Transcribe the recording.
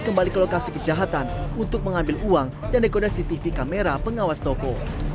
kembali ke lokasi kejahatan untuk mengambil uang dan dekodasi tv kamera pengawas toko